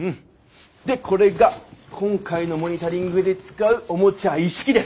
でこれが今回のモニタリングで使うおもちゃ一式です。